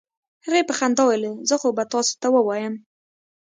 هغې په خندا وویل: "خو زه به تاسو ته ووایم،